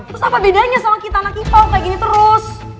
terus apa bedanya sama kita anak kipau kayak gini terus